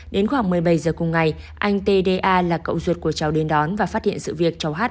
đến khoảng một mươi bảy giờ cùng ngày anh tda là cậu ruột của cháu đến đón và phát hiện sự việc cháu hát